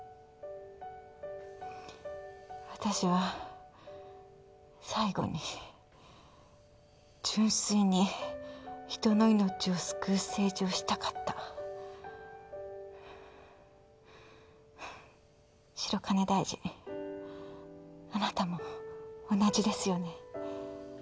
私は最後に純粋に人の命を救う政治をしたかった白金大臣あなたも同じですよね？